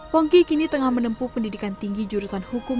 pongki kini tengah menempuh pendidikan tinggi jurusan hukum